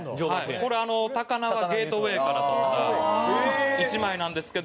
これ高輪ゲートウェイから撮った１枚なんですけども。